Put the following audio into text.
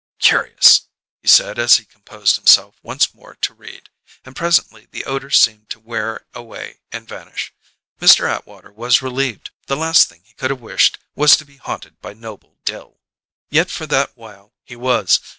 "Curious!" he said as he composed himself once more to read and presently the odour seemed to wear away and vanish. Mr. Atwater was relieved; the last thing he could have wished was to be haunted by Noble Dill. Yet for that while he was.